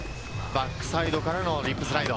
バックサイドからのリップスライド。